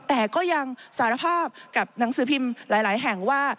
แต่ก็ยังสารภาพกับหนังสือพิมพ์หลายแห่งว่า